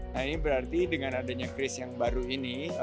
nah ini berarti dengan adanya kris yang baru ini